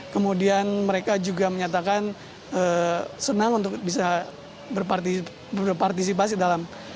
kemudian mereka juga menyatakan senang untuk bisa berpartisipasi dalam